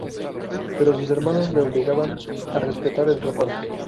Pero sus hermanos le obligan a respetar el reparto.